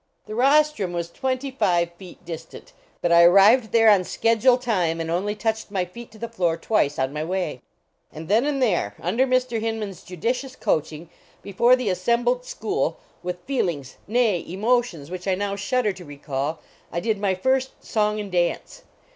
The "rostrum" was twenty five feet distant, but I arrived there on schedule time and only touched my feet to the floor twice on my way. And then and there, under Mr. Hinman s judicious coaching, before the assembled school, with feelings, nay, emotions which I now shudder to recall, I did my first " song and dance."